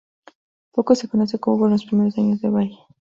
Poco se conoce cómo fueron los primeros años de Ball.